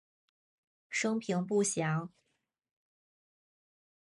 生平不详。